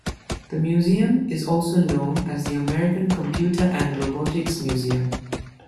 The museum is also known as the American Computer and Robotics Museum.